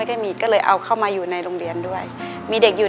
ในแคมเปญพิเศษเกมต่อชีวิตโรงเรียนของหนู